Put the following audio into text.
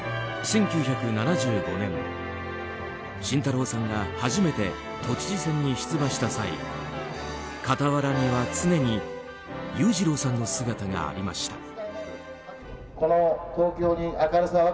１９７５年、慎太郎さんが初めて都知事選に出馬した際傍らには常に裕次郎さんの姿がありました。